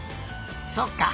そっか。